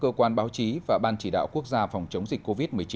cơ quan báo chí và ban chỉ đạo quốc gia phòng chống dịch covid một mươi chín